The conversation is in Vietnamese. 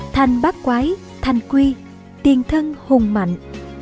thành bác quái thành quy tiền thân hùng mạnh